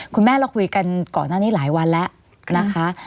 คุณแม่เราคุยกันก่อนหน้านี้หลายวันแล้วนะคะ